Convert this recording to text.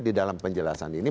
di dalam penjelasan ini